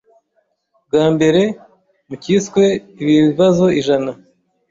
bwa mbere mu kiswe ibibazo ijana